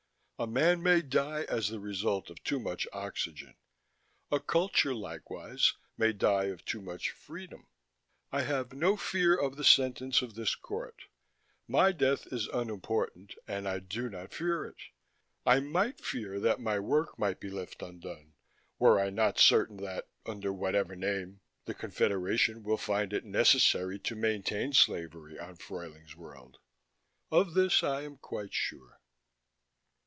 A man may die as the result of too much oxygen: a culture, likewise, may die of too much freedom. I have no fear of the sentence of this court. My death is unimportant, and I do not fear it. I might fear that my work be left undone, were I not certain that, under whatever name, the Confederation will find it necessary to maintain slavery on Fruyling's World. Of this, I am quite sure.